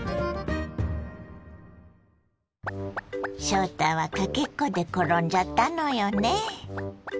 翔太はかけっこで転んじゃったのよね。